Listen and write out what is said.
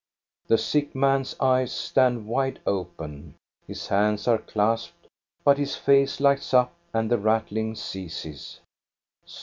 " The sick man's eyes stand wide open, his hands are clasped, but his face lights up and the rattling ceases.